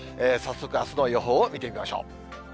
早速あすの予報を見てみましょう。